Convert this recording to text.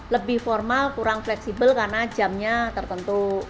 lebih formal kurang fleksibel karena jamnya tertentu